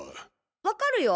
わかるよ！